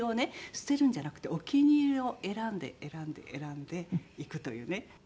捨てるんじゃなくてお気に入りを選んで選んで選んでいくというね。